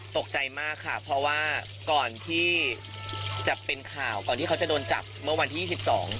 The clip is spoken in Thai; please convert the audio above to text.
ตกใจมากค่ะเพราะว่าก่อนที่จะเป็นข่าวก่อนที่เขาจะโดนจับเมื่อวันที่ยี่สิบสอง